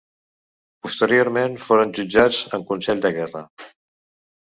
Posteriorment foren jutjats en consell de guerra.